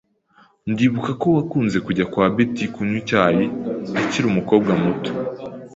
Ndibuka ko wakunze kujya kwa Betty kunywa icyayi ukiri umukobwa muto.